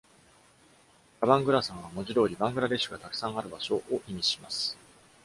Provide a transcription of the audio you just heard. カバングラサンは文字通りバングラデシュがたくさんある場所を意味します。